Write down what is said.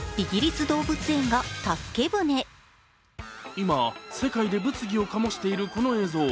今、世界で物議を醸しているこの映像。